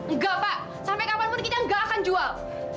enggak pak sampai kapanpun kita nggak akan jual